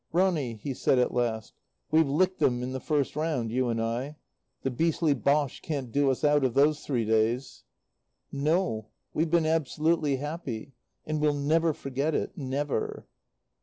"Ronny," he said at last, "we've licked 'em in the first round, you and I. The beastly Boche can't do us out of these three days." "No. We've been absolutely happy. And we'll never forget it. Never."